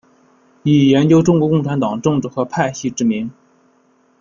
以研究中国共产党政治和派系知名。